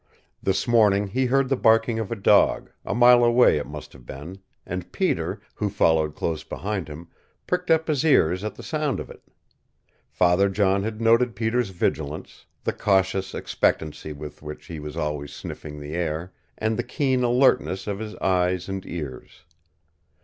This morning he heard the barking of a dog, a mile away it must have been, and Peter, who followed close beside him, pricked up his ears at the sound of it. Father John had noted Peter's vigilance, the cautious expectancy with which he was always sniffing the air, and the keen alertness of his eyes and ears.